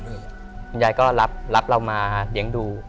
คุณยายก็รับเรามาเลี้ยงดู